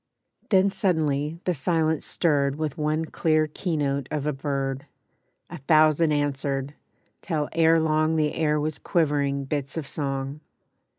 Then suddenly the silence stirred With one clear keynote of a bird; A thousand answered, till ere long The air was quivering bits of song.